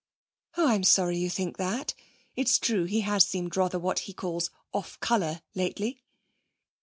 'Oh, I'm sorry you think that. It's true he has seemed rather what he calls off colour lately.'